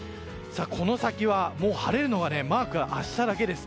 この先は晴れのマークが明日だけです。